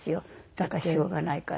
だからしょうがないから。